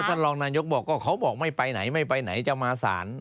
ท่านรองนายกบอกก็เขาบอกไม่ไปไหนไม่ไปไหนจะมาสาร